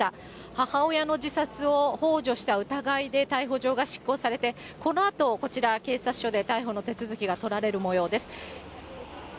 母親の自殺をほう助した疑いで逮捕状が執行されて、このあと、こちら、警察署で逮捕の手続きが取られるもようです。